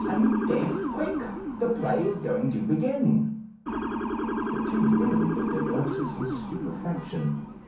Are you deaf? Quick! the play is going to begin." The two women looked at Ursus in stupefaction.